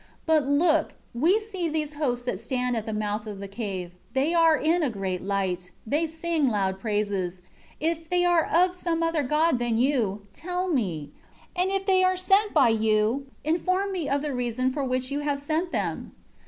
11 But, look, we see these hosts that stand at the mouth of the cave; they are in a great light; they sing loud praises. If they are of some other god than You, tell me; and if they are sent by you, inform me of the reason for which You have sent them."